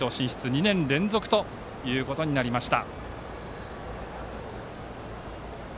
２年連続ということになりました。